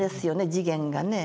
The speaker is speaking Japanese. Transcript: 次元がね。